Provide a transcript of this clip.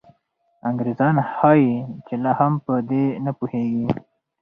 انګریزان ښایي چې لا هم په دې نه پوهېږي.